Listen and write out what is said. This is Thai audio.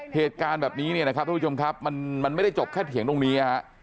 เหตุการณ์แบบนี้เนี่ยนะครับทุกผู้ชมครับมันไม่ได้จบแค่เถียงตรงนี้ฮะ